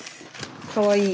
かわいい。